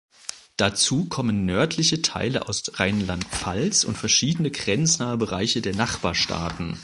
Dazu kommen nördliche Teile aus Rheinland-Pfalz und verschiedene grenznahe Bereiche der Nachbarstaaten.